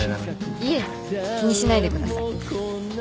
いえ気にしないでください。